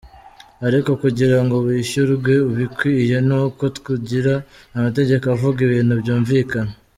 Ariko kugira ngo bishyurwe ibikwiye ni uko tugira amategeko avuga ibintu byumvikana.